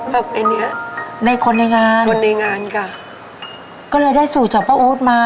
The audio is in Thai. แบบไอ้เนี้ยในคนในงานคนในงานค่ะก็เลยได้สูตรจากป้าโอ๊ตมา